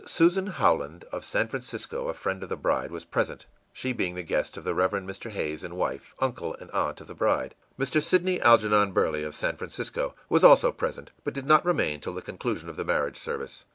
Susan Howland, of San Francisco, a friend of the bride, was present, she being the guest of the Rev. Mr. Hays and wife, uncle and aunt of the bride. Mr. Sidney Algernon Burley, of San Francisco, was also present but did not remain till the conclusion of the marriage service.